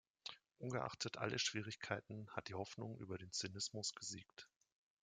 Ungeachtet all der Schwierigkeiten hat die Hoffnung über den Zynismus gesiegt.